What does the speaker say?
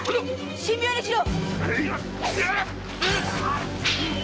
神妙にしろ！